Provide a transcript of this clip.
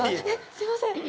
すみません。